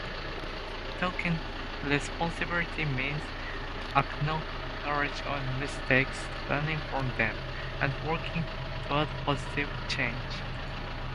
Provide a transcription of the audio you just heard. Taking responsibility means acknowledging our mistakes, learning from them, and working towards positive change.